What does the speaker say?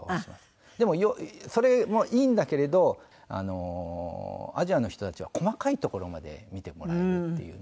でもそれもいいんだけれどアジアの人たちは細かいところまで見てもらえるっていうのは。